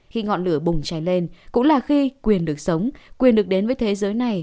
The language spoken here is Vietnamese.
khi ngọn lửa bùng cháy lên cũng là khi quyền được sống quyền được đến với thế giới này